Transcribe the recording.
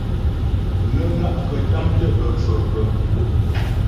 Nə́ na'kətàm tə́ bə́ pfə̌ pə́.